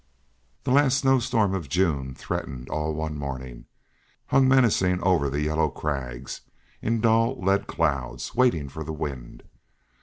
The last snow storm of June threatened all one morning; hung menacing over the yellow crags, in dull lead clouds waiting for the wind.